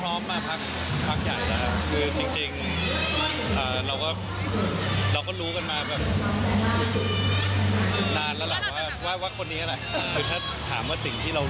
โอ้ยพรยาเขาสวยมาก